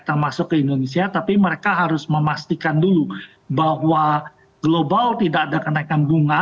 termasuk ke indonesia tapi mereka harus memastikan dulu bahwa global tidak ada kenaikan bunga